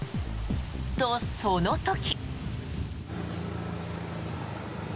と、その時。